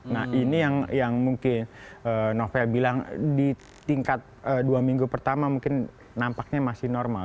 nah ini yang mungkin novel bilang di tingkat dua minggu pertama mungkin nampaknya masih normal